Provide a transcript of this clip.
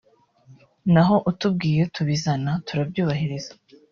naho utubwiye tubizana turabyubahiriza